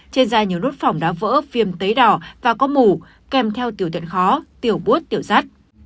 trên da nhiều đốt phỏng đã vỡ phim tấy đỏ và có mủ kèm theo tiểu tiện khó tiểu bút tiểu rắt